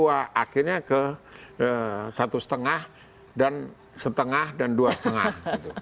ke satu dua akhirnya ke satu lima dan setengah dan dua setengah